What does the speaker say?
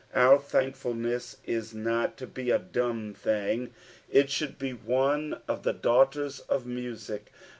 Our thankful ness is not to be a dumb thing ; it should be one of the dau^ters of music.